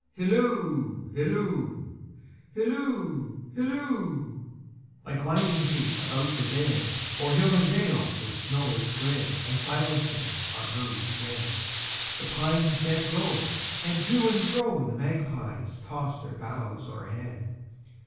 Hilloo, hilloo, hilloo, hilloo! Like winding sheet about the dead, O'er hill and dale the snow is spread, And silences our hurried tread; The pines bend low, and to and froThe magpies toss their boughs o'erhead.